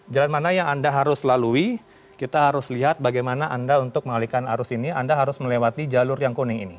jalan mana yang anda harus lalui kita harus lihat bagaimana anda untuk mengalihkan arus ini anda harus melewati jalur yang kuning ini